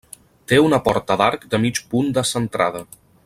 Té una porta d'arc de mig punt descentrada.